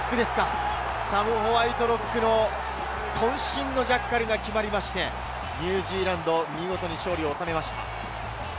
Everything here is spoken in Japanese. サム・ホワイトロックのこん身のジャッカルが決まって、ニュージーランド、見事に勝利を収めました。